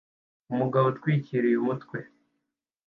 Umugabo utwikiriye umutwe